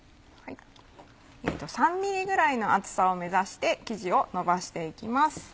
３ｍｍぐらいの厚さを目指して生地をのばしていきます。